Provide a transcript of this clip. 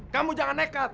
kamu jangan nekat